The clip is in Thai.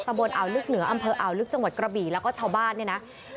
บนอ่าวลึกเหนืออำเภออ่าวลึกจังหวัดกระบี่แล้วก็ชาวบ้านเนี่ยนะ